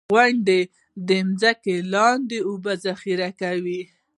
• غونډۍ د ځمکې لاندې اوبه ذخېره کوي.